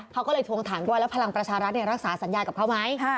เขาก็เลยทวงถามด้วยแล้วพลังประชารัฐรักษาสัญญากับเขาไหม